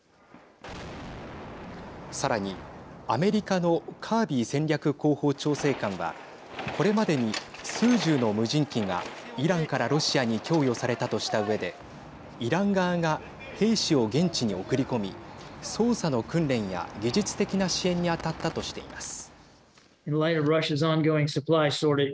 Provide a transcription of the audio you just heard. さらに、アメリカのカービー戦略広報調整官はこれまでに数十の無人機がイランからロシアに供与されたとしたうえでイラン側が兵士を現地に送り込み操作の訓練や技術的な支援に当たったとしています。